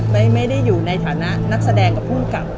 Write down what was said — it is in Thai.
ไม่ได้อยู่ในฐานะนักแสดงกับผู้กำกับ